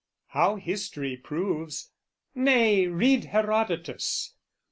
How history proves...nay, read Herodotus!